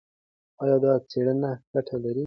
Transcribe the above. ایا دا څېړنه ګټه لري؟